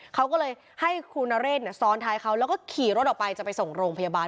เขาก็เลยให้ครูนเรศซ้อนท้ายเขาแล้วก็ขี่รถออกไปจะไปส่งโรงพยาบาล